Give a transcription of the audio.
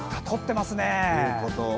凝ってますね。